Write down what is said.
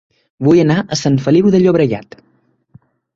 Vull anar a Sant Feliu de Llobregat